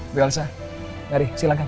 ibu elsa mari silahkan